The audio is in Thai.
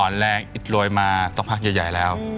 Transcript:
อ่อนแรงอิตรวยมาสภาพใหญ่แล้ว